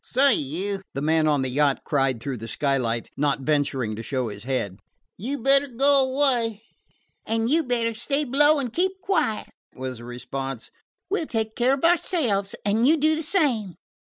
"Say, you," the man on the yacht cried through the skylight, not venturing to show his head. "You 'd better go away." "And you 'd better stay below and keep quiet," was the response. "We 'll take care of ourselves. You do the same."